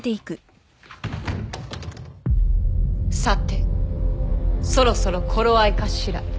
さてそろそろ頃合いかしら。